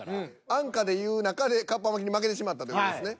安価でいう中でカッパ巻きに負けてしまったという事ですね。